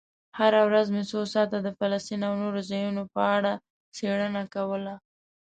هره ورځ مې څو ساعته د فلسطین او نورو ځایونو په اړه څېړنه کوله.